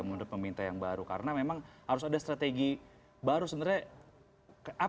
menurut pemerintah yang baru karena memang harus ada strategi baru sebenarnya